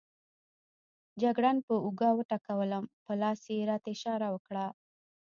جګړن پر اوږه وټکولم، په لاس یې راته اشاره وکړه.